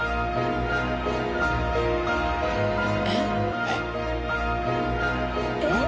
えっ？えっ？えっ？